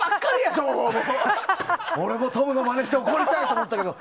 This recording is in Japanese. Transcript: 俺もトムのマネして怒りたいって思ったけど